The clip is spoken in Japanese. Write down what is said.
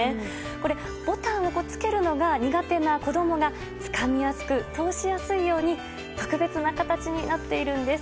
これボタンをつけるのが苦手な子供がつかみやすく、通しやすいように特別な形になっているんです。